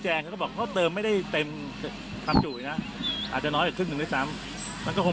แต่ก็อย่างที่บอกบางทีเราอาจจะคิดว่าไม่ใช่เกิดเหตุขึ้นมาก่อน